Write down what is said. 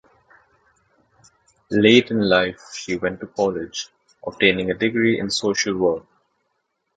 Late in life she went to college, obtaining a degree in social work.